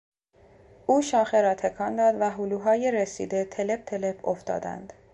او شاخه را تکان داد و هلوهای رسیده، تلپ تلپ افتادند.